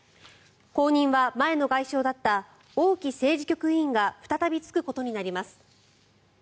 後任は、前の外相だった王毅政治局委員が再び就くことになります。